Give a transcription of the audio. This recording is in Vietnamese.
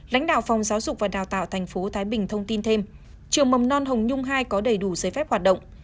lãnh đạo phòng giáo dục và đào tạo thành phố thái bình thông tin thêm trường mầm non hồng nhung hai có đầy đủ giới phép hoạt động